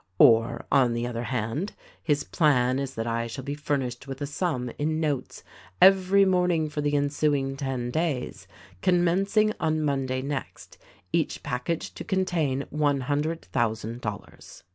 Or, on the other hand, his plan is that I shall be furnished with a sum in notes, every morning for the ensuing ten days, commencing on Monday next ; each package to contain one hundred thousand dollars."